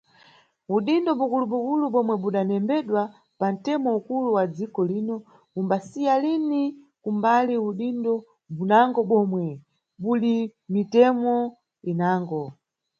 Udindo bukulubukulu bomwe budanembedwa pantemo ukulu wa dziko lino bumbasiya lini kumbali udindo bunango bomwe buli mʼmitemo inango.